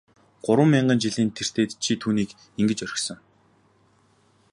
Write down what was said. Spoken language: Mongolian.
Гурван мянган жилийн тэртээд чи түүнийг ингэж орхисон.